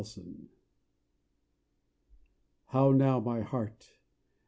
Alone How now my heart!